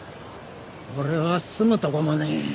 俺は住むとこもねえ。